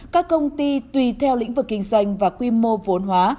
các công ty tùy theo lĩnh vực kinh doanh và quy mô vốn hóa